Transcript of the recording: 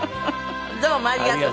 どうもありがとう。